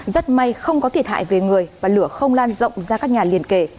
rất may không có thiệt hại về người và lửa không lan rộng ra các nhà liên kề